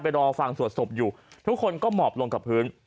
รอฟังสวดศพอยู่ทุกคนก็หมอบลงกับพื้น